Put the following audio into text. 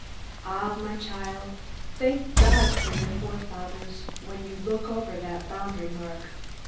Ah, my child, thank God for your forefathers, when you look over that boundary mark.